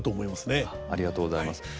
ありがとうございます。